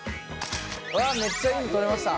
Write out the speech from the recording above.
めっちゃいいの撮れました。